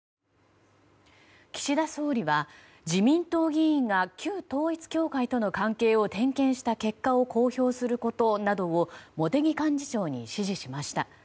岸田総理は、自民党議員が旧統一教会との関係を点検した結果を公表することなどを茂木幹事長に指示しました。